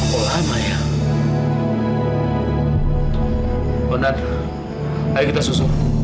jalannya cepet banget sih